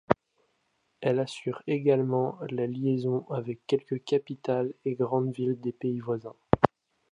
Elle assure également la liaison avec quelques capitales et grandes villes des pays voisins.